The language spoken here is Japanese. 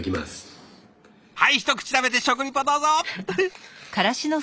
はい一口食べて食リポどうぞ！